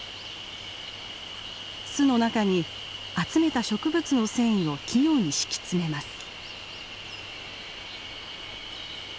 巣の中に集めた植物の繊維を器用に敷き詰めます。